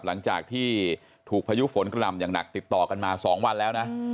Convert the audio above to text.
หลังจากที่ถูกพายุฝนกระหล่ำอย่างหนักติดต่อกันมา๒วันแล้วนะ